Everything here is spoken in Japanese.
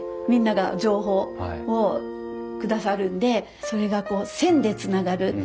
みんなが情報をくださるんでそれが線でつながる。